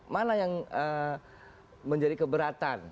mana yang menjadi keberatan